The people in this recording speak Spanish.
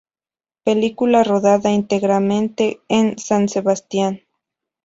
Película rodada íntegramente en San Sebastián.